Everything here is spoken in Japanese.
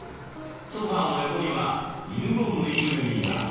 ソファーの横にはイヌのぬいぐるみが。